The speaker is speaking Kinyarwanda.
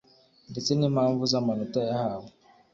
ndetse n impamvu z amanota yahawe